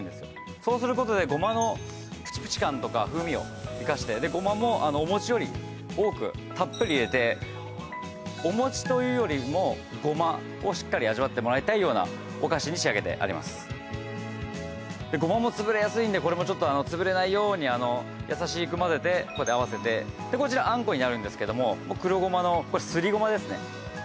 そうすることでゴマのプチプチ感とか風味を生かしてでゴマもお餅より多くたっぷり入れてお餅というよりもゴマをしっかり味わってもらいたいようなお菓子に仕上げてありますでゴマも潰れやすいんでこれもちょっと潰れないように優しくまぜてここであわせてでこちら餡子になるんですけども黒ゴマのこれすりゴマですね